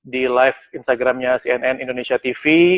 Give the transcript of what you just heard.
di live instagramnya cnn indonesia tv